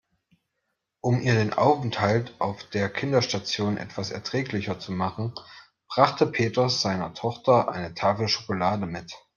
Um ihr den Aufenthalt auf der Kinderstation etwas erträglicher zu machen, brachte Peter seiner Tochter eine Tafel Schokolade mit.